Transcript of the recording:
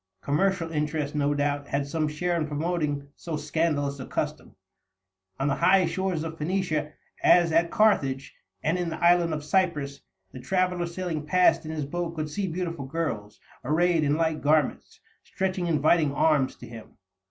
Commercial interest, no doubt, had some share in promoting so scandalous a custom. On the high shores of Phoenicia, as at Carthage and in the island of Cyprus, the traveler sailing past in his boat could see beautiful girls, arrayed in light garments, stretching inviting arms to him.